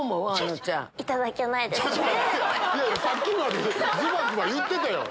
さっきまでズバズバ言ってたやん。